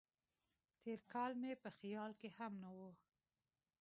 تېر کال مې په خیال کې هم نه و.